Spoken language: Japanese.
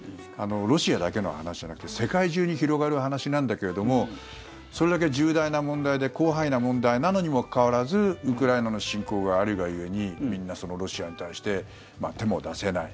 ロシアだけの話じゃなくて世界中に広がる話なんだけれどもそれだけ重大な問題で広範囲な問題なのにもかかわらずウクライナの侵攻があるが故にみんなロシアに対して手も出せない。